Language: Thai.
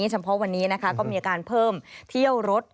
เฉพาะวันนี้นะคะก็มีการเพิ่มเที่ยวรถ